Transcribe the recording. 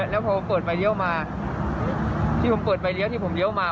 แล้วพอเปิดไฟเลี้ยวมาที่ผมเปิดไฟเลี้ยวที่ผมเลี้ยวมา